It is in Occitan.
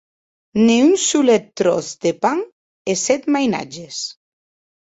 Ne un solet tròç de pan e sèt mainatges!